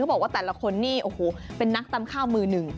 บอกว่าแต่ละคนนี่โอ้โหเป็นนักตำข้าวมือหนึ่ง